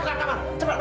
cepat bawa ke kamar